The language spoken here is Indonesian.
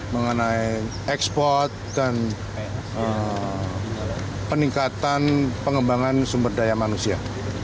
mengenai ekspor dan peningkatan pengembangan sumber daya manusia